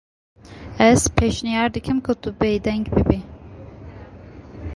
Ez pêşniyar dikim ku tu bêdeng bibî.